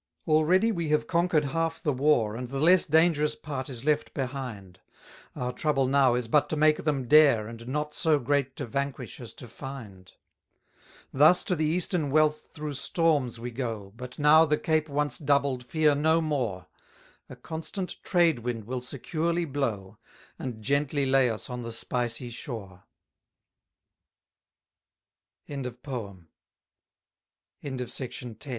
303 Already we have conquer'd half the war, And the less dangerous part is left behind: Our trouble now is but to make them dare, And not so great to vanquish as to find. 304 Thus to the Eastern wealth through storms we go, But now, the Cape once doubled, fear no more; A constant trade wind will securely blow, And gently